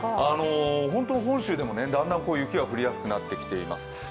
本州でもだんだん雪が降りやすくなっています。